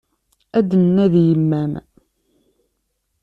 Ad d-nnadi yemma-m.